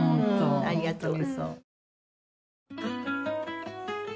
ありがとう。